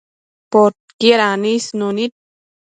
Podquied anisnu nid